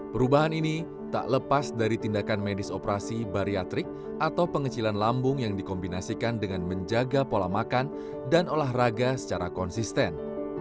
perubahan ini tak lepas dari tindakan medis operasi bariatrik atau pengecilan lambung yang dikombinasikan dengan menjaga pola makan dan olahraga secara konsisten